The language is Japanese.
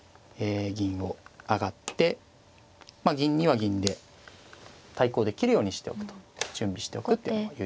銀を上がってまあ銀には銀で対抗できるようにしておくと準備しておくっていうのも有力ですね。